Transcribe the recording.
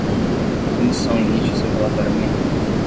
A comissão emite seu relatório amanhã